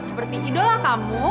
seperti idola kamu